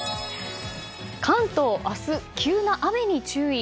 関東、明日急な雨に注意。